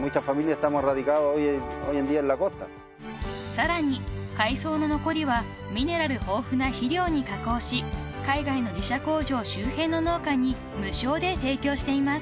［さらに海藻の残りはミネラル豊富な肥料に加工し海外の自社工場周辺の農家に無償で提供しています］